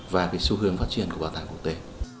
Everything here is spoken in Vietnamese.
và cái xu hướng phát triển của bảo tàng quốc tế